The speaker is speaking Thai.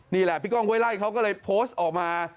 นี่แหละพี่ก้องห้วยไล่เขาก็เลยโพสต์ออกมา